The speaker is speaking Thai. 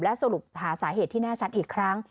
สรุปหาสาเหตุที่แน่ชัดอีกครั้ง